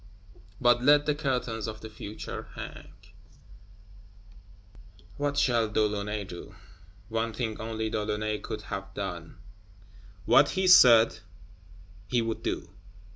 But let the curtains of the Future hang. What shall De Launay do? One thing only De Launay could have done: what he said he would do.